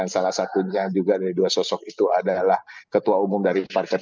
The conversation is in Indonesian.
salah satunya juga dari dua sosok itu adalah ketua umum dari partai politik